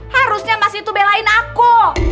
harusnya mas itu belain aku